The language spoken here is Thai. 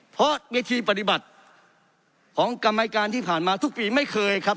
เพราะวิธีปฏิบัติของกรรมการที่ผ่านมาทุกปีไม่เคยครับ